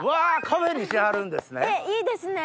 カフェにしはるんですね。